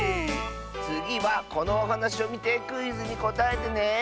つぎはこのおはなしをみてクイズにこたえてね。